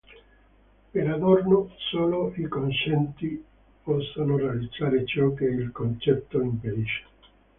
Per Adorno solo i concetti possono realizzare ciò che il concetto impedisce.